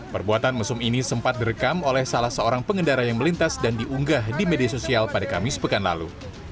perbuatan mesum ini sempat direkam oleh salah seorang pengendara yang melintas dan diunggah di media sosial pada kamis pekan lalu